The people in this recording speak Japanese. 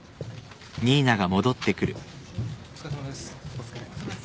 お疲れさまです。